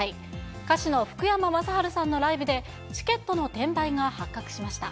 歌手の福山雅治さんのライブで、チケットの転売が発覚しました。